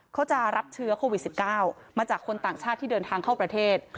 เขาจะรับเชื้อโควิด๑๙มาจากคนต่างชาติที่เดินทางเข้าประเทศ